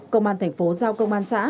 công an thành phố giao công an xã